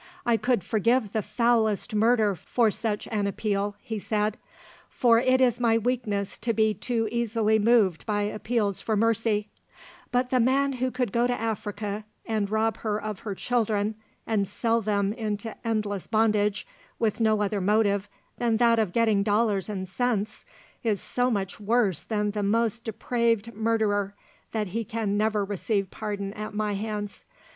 "I could forgive the foulest murder for such an appeal," he said, "for it is my weakness to be too easily moved by appeals for mercy; but the man who could go to Africa, and rob her of her children, and sell them into endless bondage, with no other motive than that of getting dollars and cents, is so much worse than the most depraved murderer, that he can never receive pardon at my hands.